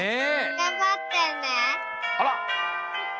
あら！